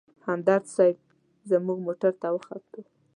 همدرد صیب زموږ موټر ته وختو.